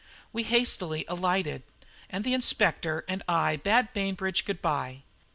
We hastily alighted, and the Inspector and I bade Bainbridge good bye.